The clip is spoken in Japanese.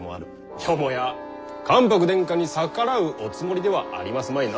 よもや関白殿下に逆らうおつもりではありますまいな？